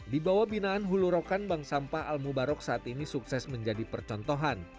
di bawah binaan hulu rokan bank sampah al mubarok saat ini sukses menjadi percontohan